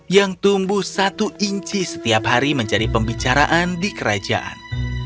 yang tumbuh satu inci setiap hari menjadi pembicaraan di kerajaan